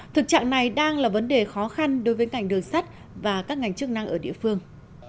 thực trạng này đang là vấn đề khó khăn đối với ngành đường sắt và các ngành chức năng ở địa phương